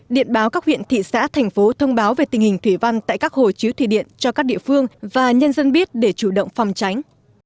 điện báo các huyện thị xã thành phố thông báo về tình hình thủy văn tại các hồ chứa thủy điện cho các địa phương và nhân dân biết để chủ động phòng tránh